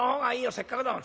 せっかくだもん。